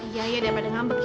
iya iya daripada ngambek